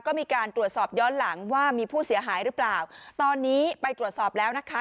ก็มีการตรวจสอบย้อนหลังว่ามีผู้เสียหายหรือเปล่าตอนนี้ไปตรวจสอบแล้วนะคะ